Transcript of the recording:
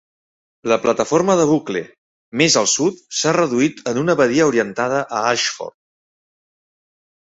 La plataforma de bucle més al sud s'ha reduït en una badia orientada a Ashford.